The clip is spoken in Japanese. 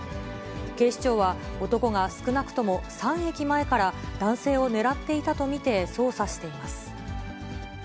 警視庁は、男が少なくとも３駅前から男性を狙っていたと見て捜査しています。